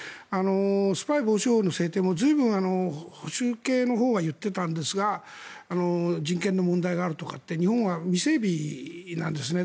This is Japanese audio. スパイ防止法の制定も随分、保守系のほうは言っていたんですが人権の問題があるとかって日本は未整備なんですね。